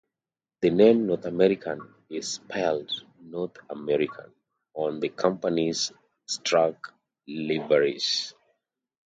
The name North American is spelled "NorthAmerican" on the company's trucks' liveries.